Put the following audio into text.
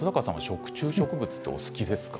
食虫植物お好きですか？